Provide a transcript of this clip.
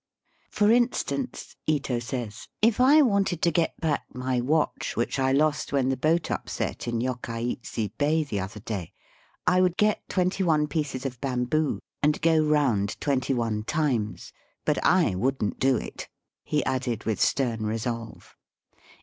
For instance," Ito says, *^ if I wanted to get back my watch, which I lost when the boat upset in Yokkaichi Bay the other day, I would get twenty one pieces of bamboo, and go round twenty one times. But I wouldn't do it," he added with stem resolve.